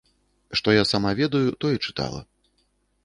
Што я сама ведаю, тое чытала.